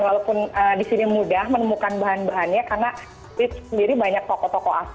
walaupun di sini mudah menemukan bahan bahannya karena sendiri banyak toko toko akses